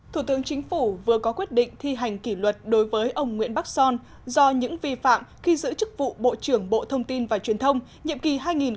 thủ tướng chính phủ vừa có quyết định thi hành kỷ luật đối với ông nguyễn bắc son do những vi phạm khi giữ chức vụ bộ trưởng bộ thông tin và truyền thông nhiệm kỳ hai nghìn một mươi tám hai nghìn một mươi tám